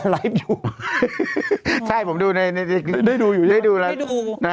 ไลฟ์อยู่ใช่ผมดูในในในได้ดูอยู่ได้ดูแล้วได้ดูอ่าฮะ